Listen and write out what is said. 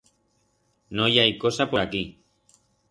No i hai cosa por aquí.